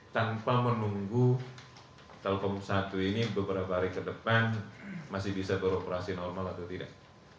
tanpa menunggu telkom satu ini beberapa hari ke depan masih bisa beroperasi normal atau tidak